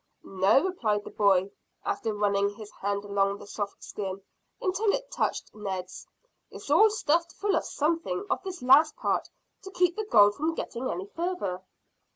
"No," replied the boy, after running his hand along the soft skin until it touched Ned's. "It's all stuffed full of something of this last part to keep the gold from getting any further."